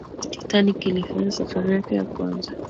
titanic ilifanya safari yake ya kwanza